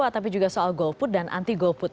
tapi juga soal golput dan anti golput